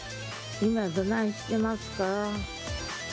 今、どないしてますか？